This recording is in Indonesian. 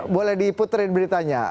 boleh diputriin beritanya